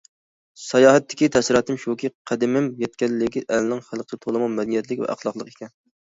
ساياھەتتىكى تەسىراتىم شۇكى، قەدىمىم يەتكەنلىكى ئەلنىڭ خەلقى تولىمۇ مەدەنىيەتلىك ۋە ئەخلاقلىق ئىكەن.